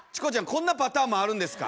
こんなパターンもあるんですか？